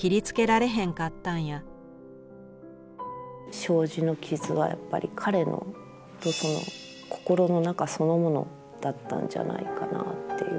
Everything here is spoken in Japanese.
障子の傷はやっぱり彼の心の中そのものだったんじゃないかなっていう。